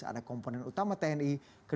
ada komponen utama tni kedua komponen cadangan